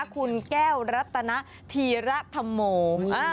คุณแก้วรัตนาธีรัฐมงค์